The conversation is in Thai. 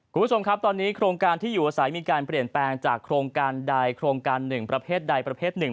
คุณผู้ชมครับตอนนี้โครงการที่อยู่อาศัยมีการเปลี่ยนแปลงจากโครงการใดโครงการหนึ่งประเภทใดประเภทหนึ่ง